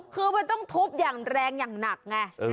คือมันต้องทุบอย่างแรงอย่างหนักไง